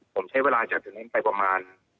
ผมใช้เวลาจากที่นั่นไปประมาณ